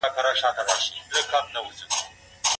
بشري کلتورونه ډېر بډایه دي.